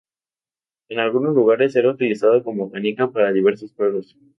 En algunos lugares era utilizada como canica para diversos juegos.